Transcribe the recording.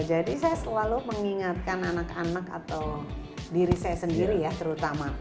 jadi saya selalu mengingatkan anak anak atau diri saya sendiri ya terutama